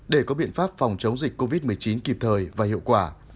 để có biện pháp phòng chống dịch covid một mươi chín kịp thời và hiệu quả